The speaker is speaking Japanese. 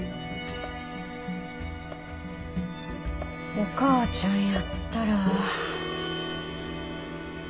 お母ちゃんやったら。